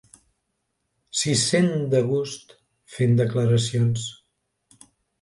S'hi sent de gust, fent declaracions.